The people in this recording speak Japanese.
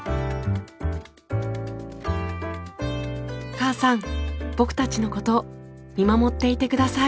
母さん僕たちの事見守っていてください。